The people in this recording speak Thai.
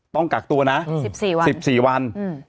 ต้องกักตัวนะ๑๔วัน